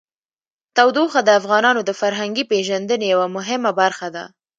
تودوخه د افغانانو د فرهنګي پیژندنې یوه مهمه برخه ده.